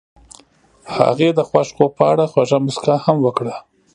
هغې د خوښ خوب په اړه خوږه موسکا هم وکړه.